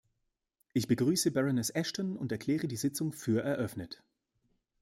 Ich begrüße Baroness Ashton und erkläre die Sitzung für eröffnet.